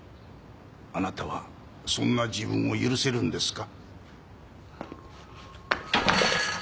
あなたはそんな自分を許せるんですか？